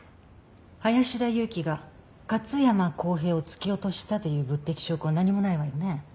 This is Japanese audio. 林田裕紀が勝山康平を突き落としたという物的証拠は何もないわよね。